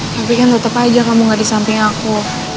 tapi kan tetep aja kamu nggak di samping aku